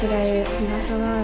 居場所がある。